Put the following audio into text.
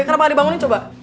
kenapa gak dibangunin coba